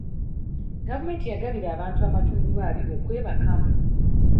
Gavumenti yabagabira abantu amatundubaali okwebakamu.